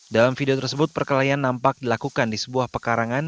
dalam video tersebut perkelahian nampak dilakukan di sebuah pekarangan